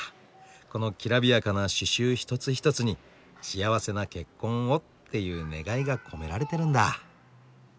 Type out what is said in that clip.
このきらびやかな刺しゅう一つ一つに「幸せな結婚を」っていう願いが込められてるんだ。